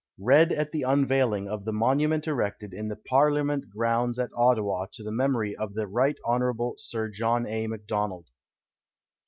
(_Read at the unveiling of the Monument erected in the Parliament Grounds at Ottawa to the Memory of the Rt. Hon. Sir John A. Macdonald.